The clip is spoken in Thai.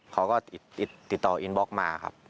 เขาก็ติดต่ออินบล็อกมาครับ